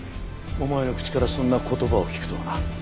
お前の口からそんな言葉を聞くとはな。